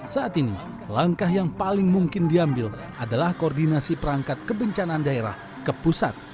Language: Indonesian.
saat ini langkah yang paling mungkin diambil adalah koordinasi perangkat kebencanaan daerah ke pusat